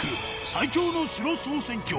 最強の城総選挙